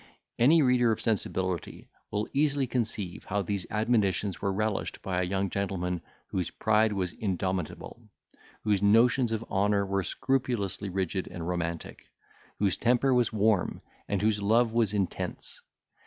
Any reader of sensibility will easily conceive how these admonitions were relished by a young gentleman whose pride was indomitable, whose notions of honour were scrupulously rigid and romantic, whose temper was warm, and whose love was intense.